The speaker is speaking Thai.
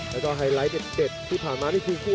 และก็ไฮไลต์เด็ดที่ผ่านมาที่พรุ่งคู่